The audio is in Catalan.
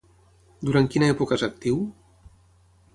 Durant quina època és actiu?